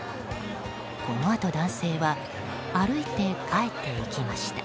このあと男性は歩いて帰っていきました。